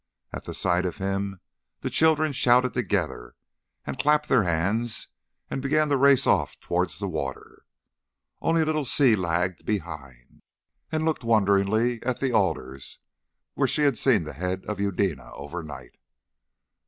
At the sight of him the children shouted together, and clapped their hands and began to race off towards the water. Only little Si lagged behind and looked wonderingly at the alders where she had seen the head of Eudena overnight.